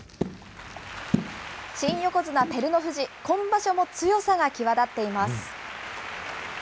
新横綱・照ノ富士、今場所も強さが際立っています。